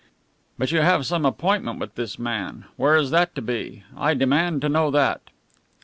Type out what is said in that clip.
"But you have some appointment with this man. Where is that to be? I demand to know that."